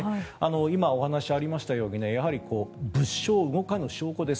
今、お話がありましたように物証、動かぬ証拠です。